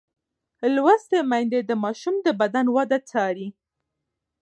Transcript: لوستې میندې د ماشوم د بدن وده څاري.